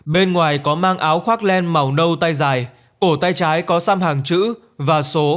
bên ngoài có mang áo khoác len màu nâu tay dài ổ tay trái có xăm hàng chữ và số